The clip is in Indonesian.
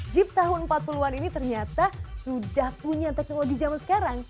jeep tahun empat puluh an ini ternyata sudah punya teknologi zaman sekarang